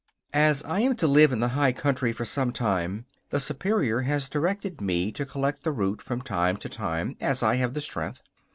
As I am to live in the high country for some time, the Superior has directed me to collect the root from time to time as I have the strength.